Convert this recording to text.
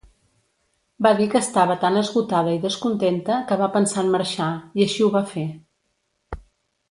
Va dir que estava tan esgotada i descontenta que va pensar en marxar, i així ho va fer.